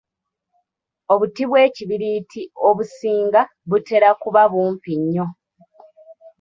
Obuti bw’ekibiriiti obusinga butera kuba bumpi nnyo.